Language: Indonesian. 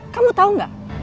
kamu tau gak